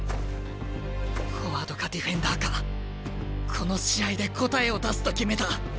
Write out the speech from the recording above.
フォワードかディフェンダーかこの試合で答えを出すと決めた。